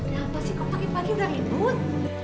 kenapa sih kau pakai pakai dari bun